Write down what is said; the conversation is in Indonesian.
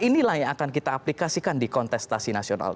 inilah yang akan kita aplikasikan di kontestasi nasional